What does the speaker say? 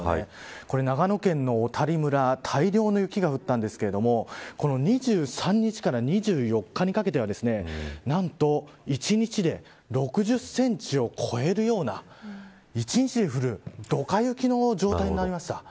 これ長野県の小谷村大量の雪が降ったんですけども２３日から２４日にかけては何と一日で６０センチを超えるような一日で降るドカ雪の状態になりました。